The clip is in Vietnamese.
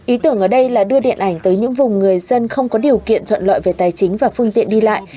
ý tưởng ở đây là đưa điện ảnh tới những vùng người dân không có điều kiện thuận lợi về tài chính và phương tiện đi lại